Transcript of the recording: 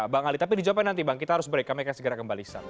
bang ali tapi dijawabkan nanti bang kita harus break kami akan segera kembali